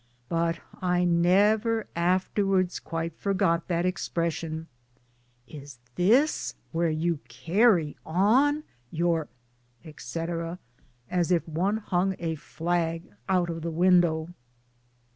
But I never afterwards quite forgot that expression " Is this where you carry on your? " etc. as if one hung a flag out of the window.